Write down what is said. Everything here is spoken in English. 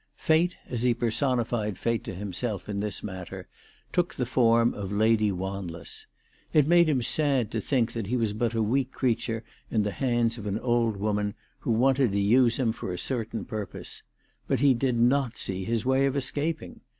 Fate, as he personified fate to himself in this matter, took the. form of Lady Wan less. It made him sad to think that he was but a weak creature in the hands of an old woman, who wanted to use him for a certain purpose ; but he did not see his way of escaping.